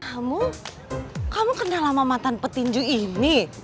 kamu kamu kenal lama mantan petinju ini